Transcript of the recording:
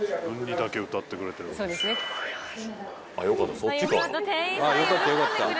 よかった